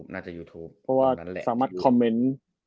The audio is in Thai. เพราะว่าสามารถคอมเมนต์